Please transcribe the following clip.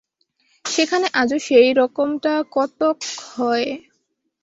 সেখানে আজও সেই রকমটা কতক হয়।